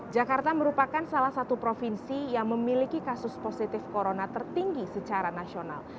jakarta merupakan salah satu provinsi yang memiliki kasus positif corona tertinggi secara nasional